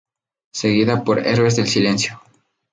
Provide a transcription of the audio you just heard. Seguida por "Heroes del Silencio".